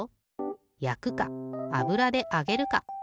やくかあぶらであげるか。